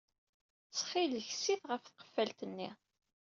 Ttxil-k, sit ɣef tqeffalt-nni.